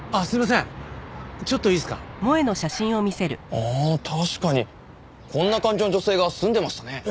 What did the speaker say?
ああ確かにこんな感じの女性が住んでましたね。